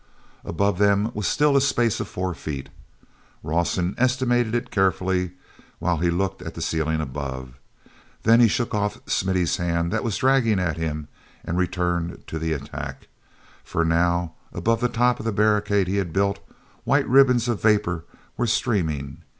Above them was still a space of four feet; Rawson estimated it carefully while he looked at the ceiling above. Then he shook off Smithy's hand that was dragging at him and returned to the attack; for now, above the top of the barricade he had built, white ribbons of vapor were streaming.